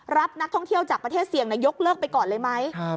รับนักท่องเที่ยวจากประเทศเสี่ยงยกเลิกไปก่อนเลยไหม